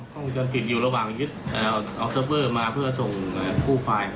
ข้อมูลจันทร์อังกฤษอยู่ระหว่างยึดเอาเซิร์ฟเวอร์มาเพื่อส่งกู้ไฟล์